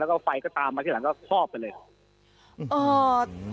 แล้วก็ไฟก็ตามมาที่หลังก็คอบไปเลย